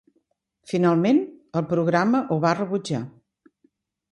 Finalment, el programa ho va rebutjar.